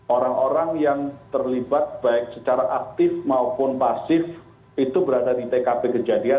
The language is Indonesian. orang orang yang terlibat baik secara aktif maupun pasif itu berada di tkp kejadian